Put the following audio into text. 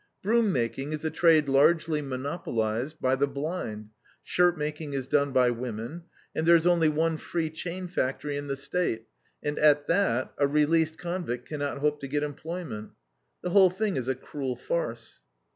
Broom making is a trade largely monopolized by the blind, shirt making is done by women, and there is only one free chain factory in the State, and at that a released convict can not hope to get employment. The whole thing is a cruel farce.